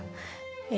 え